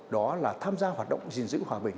đó là tham gia hoạt động gìn giữ hòa bình